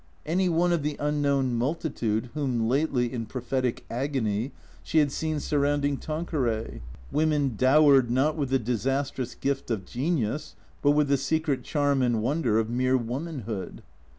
Any one of the unknown multitude whom lately, in prophetic agony, she had seen surrounding Tanqueray; women dowered, not with the disastrous gift of genius, but with the secret charm and wonder of mere womanhood.